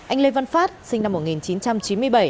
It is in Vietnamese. anh lê văn phát sinh năm một nghìn chín trăm chín mươi bảy